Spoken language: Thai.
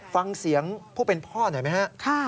ฟังเสียงผู้เป็นพ่อหน่อยไหมฮะ